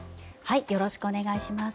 よろしくお願いします。